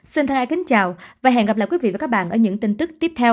xin hai kính chào và hẹn gặp lại quý vị và các bạn ở những tin tức tiếp theo